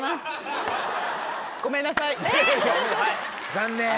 残念。